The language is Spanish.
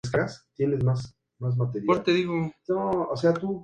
Marcelo González Martín.